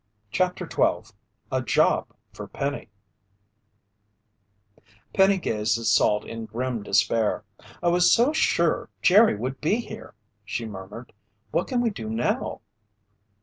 CHAPTER 12 A JOB FOR PENNY Penny gazed at Salt in grim despair. "I was so sure Jerry would be here," she murmured. "What can we do now?"